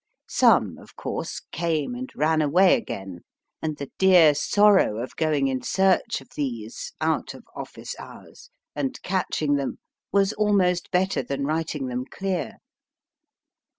Some, of course, came and ran away again, and the dear sorrow of going in search of these (out of office hours, and catching them) was almost better than writing them clear.